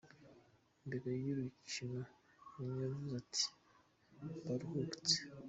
Imbere y'urukino, Mourinho yavuze ati: "Baruhutse.